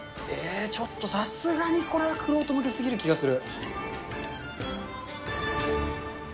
ちょっとさすがにこれは玄人向けすぎる気がする。